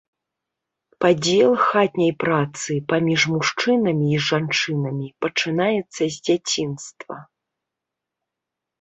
Падзел хатняй працы паміж мужчынамі і жанчынамі пачынаецца з дзяцінства.